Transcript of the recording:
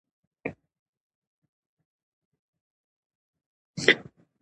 د هنر په مرسته موږ کولای شو خپل تاریخ نړۍ ته وپېژنو.